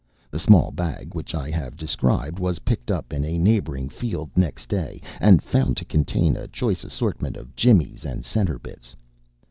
The small bag which I have described was picked up in a neighbouring field next day, and found to contain a choice assortment of jimmies and centrebits.